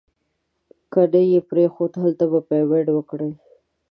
که نه یې پرېښود هلته به پیمنټ وکړي.